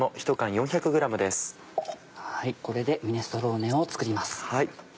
これでミネストローネを作ります。